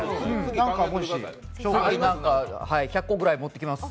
何かもし、１００個ぐらい持ってきます。